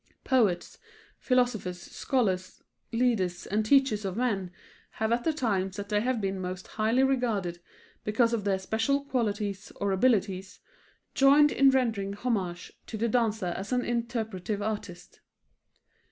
Poets, philosophers, scholars, leaders and teachers of men, have at the times that they have been most highly regarded because of their special qualities or abilities, joined in rendering homage to the dancer as an interpretative artist.